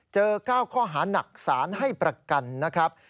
เจอ๙ข้อหานักสารให้ประกันนะครับ